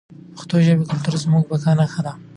د پښتو ژبې کلتور زموږ د بقا نښه ده.